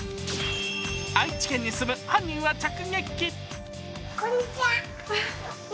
愛知県に住む本人を直撃。